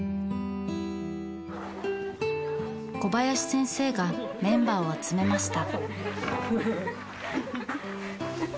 小林先生がメンバーを集めました。